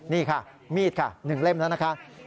นี่ค่ะมีดค่ะ๑เล่มแล้วนะคะ